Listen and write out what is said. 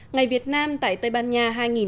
ngày việt nam tại tây ban nha hai nghìn một mươi bảy